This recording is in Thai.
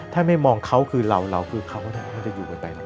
ถ้าไม่มองเขาคือเราเราคือเขาน่าจะอยู่กันไกลหรือเปล่า